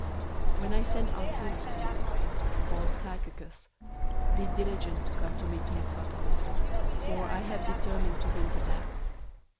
003:012 When I send Artemas to you, or Tychicus, be diligent to come to me to Nicopolis, for I have determined to winter there.